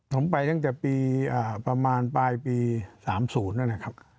ผมไปตั้งแต่ปีประมาณปลายปี๓๐นั่นแหละครับ